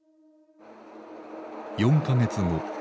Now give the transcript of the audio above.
４か月後。